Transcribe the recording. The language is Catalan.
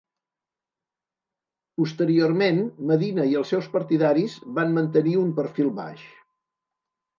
Posteriorment Medina i els seus partidaris van mantenir un perfil baix.